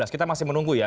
kita masih menunggu ya